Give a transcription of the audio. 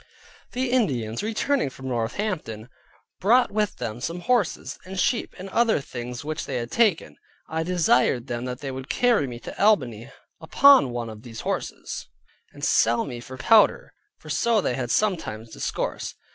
The Indians returning from Northampton, brought with them some horses, and sheep, and other things which they had taken; I desired them that they would carry me to Albany upon one of those horses, and sell me for powder: for so they had sometimes discoursed.